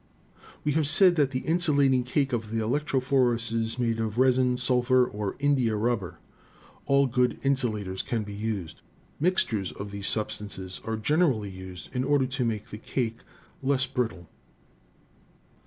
We have said that the insulating cake of the electrophorus is made of resin, sulphur or india rubber. All good in sulators can be used; mixtures of these substances are generally used in order to make the cake less brittle."